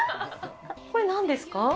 これ、なんですか？